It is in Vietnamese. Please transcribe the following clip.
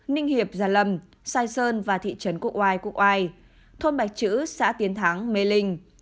ninh hiệp già lâm sai sơn và thị trấn cục oai cục oai thôn bạch chữ xã tiến thắng mê linh